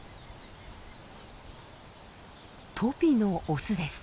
トピのオスです。